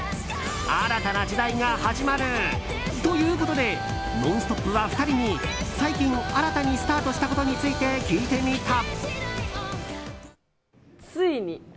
新たな時代が始まるということで「ノンストップ！」は２人に最近、新たにスタートしたことについて聞いてみた。